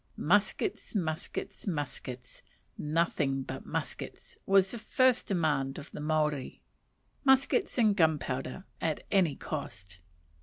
Muskets! muskets! muskets! nothing but muskets, was the first demand of the Maori: muskets and gunpowder, at any cost.